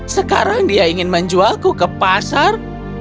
sekarang dia ingin menjualku ke pasar